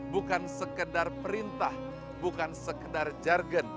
bukan sekedar perintah bukan sekedar jargon